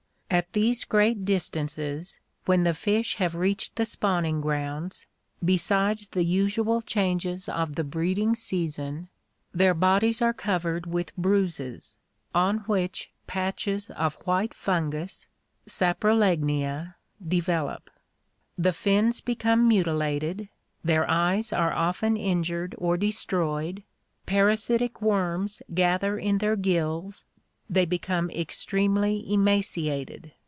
"At these great distances, when the fish have reached the spawning grounds, besides the usual changes of the breeding season, their bodies are covered with bruises, on which patches of white fungus (Saprolegnia) develop. The fins become mutilated, their eyes are often injured or de stroyed, parasitic worms gather in their gills, they become extremely emaciated